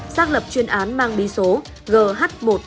xác lập chuyên án mang bí số gh một nghìn một trăm một mươi một